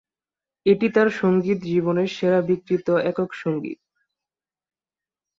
এটি তার সঙ্গীত জীবনের সেরা বিক্রিত একক সঙ্গীত।